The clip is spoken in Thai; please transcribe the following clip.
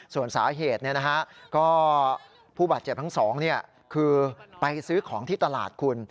ส่วนสาเหตุก็ผู้บาดเจ็บทั้งสองคือไปซื้อของที่ตลาดคุณ